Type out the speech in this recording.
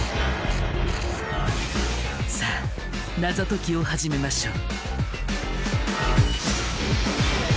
さあ謎解きを始めましょう。